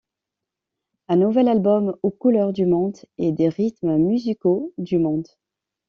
Un nouvel album aux couleurs du monde et des rythmes musicaux du monde.